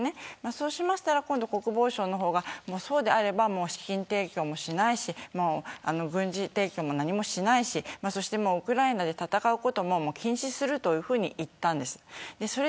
そうしたら国防省の方がそうであれば資金提供もしないし軍事提供も何もしないしウクライナで戦うことも禁止するというふうに言ったんです。